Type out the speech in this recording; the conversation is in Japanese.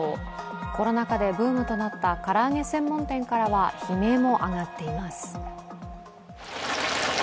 コロナ禍でブームとなった唐揚げ専門店からは、悲鳴も上がっています。